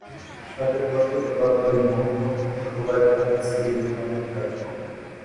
ষাটের দশকে তৎকালীন মহকুমা প্রশাসক ওবায়দুল্লাহ খান স্টেডিয়াম নির্মাণে ভূমিকা রাখেন।